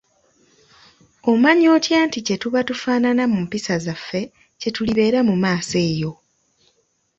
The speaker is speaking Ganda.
Omanya otya nti kyetuba tufaanana mu mpisa zaffe, kyetulibeera mumaaso eyo?